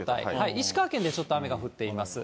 石川県でちょっと雨が降っています。